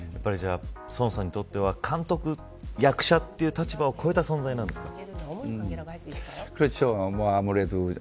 ソンさんにとっては監督役者という立場を超えた存在なんですか。